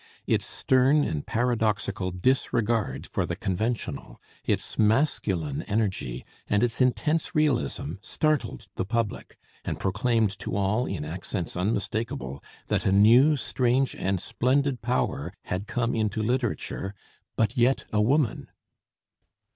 Its stern and paradoxical disregard for the conventional, its masculine energy, and its intense realism, startled the public, and proclaimed to all in accents unmistakable that a new, strange, and splendid power had come into literature, "but yet a woman."